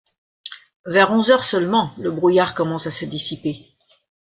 Vers onze heures seulement, le brouillard commence à se dissiper.